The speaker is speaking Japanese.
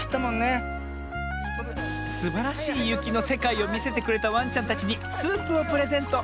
すばらしいゆきのせかいをみせてくれたワンちゃんたちにスープをプレゼント！